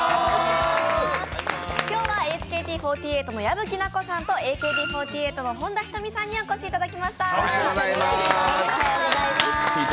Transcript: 今日はＨＫＴ４８の矢吹奈子さんとＡＫＢ４８の本田仁美さんにお越しいただきました。